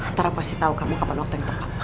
ntar aku pasti tau kamu kapan waktu yang tepat